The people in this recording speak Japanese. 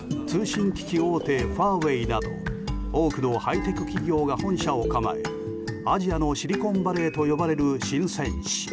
通信機器大手ファーウェイなど多くのハイテク企業が本社を構えアジアのシリコンバレーと呼ばれるシンセン市。